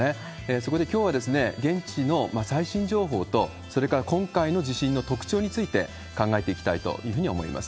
そこできょうは、現地の最新情報と、それから今回の地震の特徴について、考えていきたいというふうに思います。